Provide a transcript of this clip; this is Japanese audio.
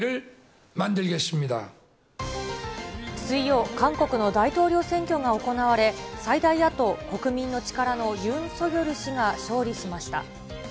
水曜、韓国の大統領選挙が行われ、最大野党・国民の力のユン・ソギョル氏が勝利しました。